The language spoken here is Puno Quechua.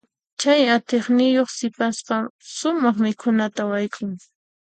Chay atiyniyuq sipasqa sumaq mikhunata wayk'un.